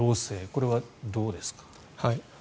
これはどうですか。